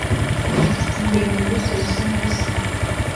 Imbere mububiko busa nubusa